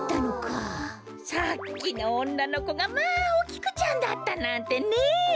さっきのおんなのこがまあお菊ちゃんだったなんてねえ。